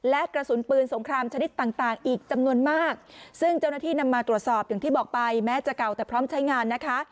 และกระสุนปืนสงครามชนิดต่างต่างอีกจำนวนมากซึ่งเจ้าหน้าที่นำมาตรวจสอบอย่างที่บอกไปแม้จะเก่าแต่พร้อมใช้งานนะคะ